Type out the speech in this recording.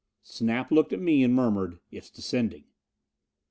Snap looked at me and murmured, "It's descending."